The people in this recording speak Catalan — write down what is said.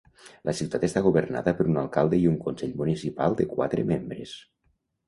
La ciutat està governada per un alcalde i un consell municipal de quatre membres.